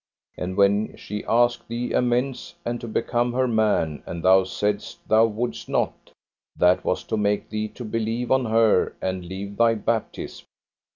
And when she asked thee amends and to become her man, and thou saidst thou wouldst not, that was to make thee to believe on her and leave thy baptism.